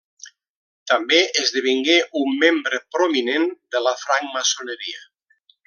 També esdevingué un membre prominent de la francmaçoneria.